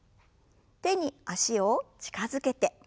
手に脚を近づけて。